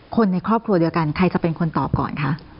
คนในครอบครัวเดียวกันใครจะเป็นคนตอบก่อนคะ